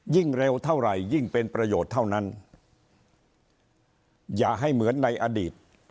เร็วเท่าไหร่ยิ่งเป็นประโยชน์เท่านั้นอย่าให้เหมือนในอดีต